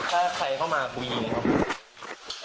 ถ้าใครเข้ามากูยิงครับ